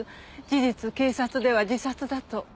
事実警察では自殺だと。